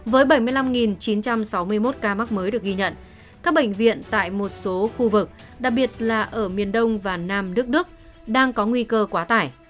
với bảy mươi năm chín trăm sáu mươi một ca mắc mới được ghi nhận các bệnh viện tại một số khu vực đặc biệt là ở miền đông và nam đức đang có nguy cơ quá tải